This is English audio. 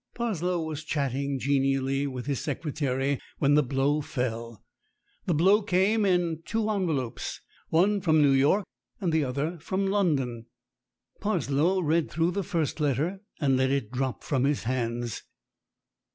Parslow was chatting genially with his secretary when the blow fell. The blow came in two envelopes, one from New York and the other from London. Parslow read through the first letter and let it drop from his hands.